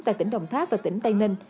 tại tỉnh đồng tháp và tỉnh tây ninh